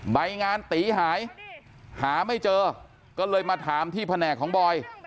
ใบงานตีหายหาไม่เจอก็เลยมาถามที่แผนกของบอย